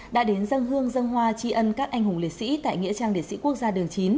đã đến dân hương dân hoa tri ân các anh hùng liệt sĩ tại nghĩa trang liệt sĩ quốc gia đường chín